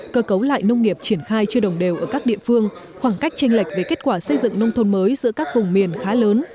cơ cấu lại nông nghiệp triển khai chưa đồng đều ở các địa phương khoảng cách tranh lệch về kết quả xây dựng nông thôn mới giữa các vùng miền khá lớn